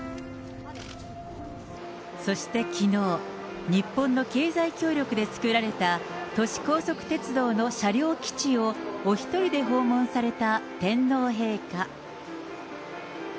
そしてきのう、日本の経済協力で作られた都市高速鉄道の車両基地をお一人で訪問された天皇陛下。